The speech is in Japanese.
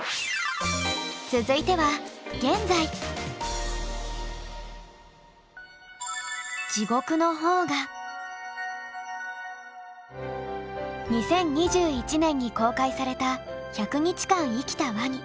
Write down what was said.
続いては２０２１年に公開された「１００日間生きたワニ」。